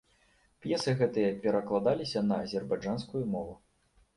П'есы гэтыя перакладаліся на азербайджанскую мову.